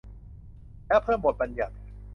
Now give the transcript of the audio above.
แล้วเพิ่มบทบัญญัติ